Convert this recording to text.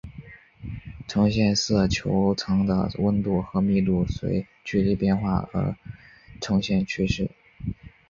呈现色球层的温度和密度随距离变化呈现的趋势。